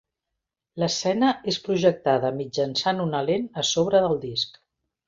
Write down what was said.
L'escena és projectada mitjançant una lent a sobre del disc.